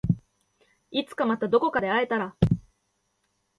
いつかまたどこかで会えたら